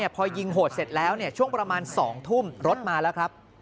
พอยิงโหดเสร็จแล้วช่วงประมาณ๒ทุ่มรถมาแล้วครับ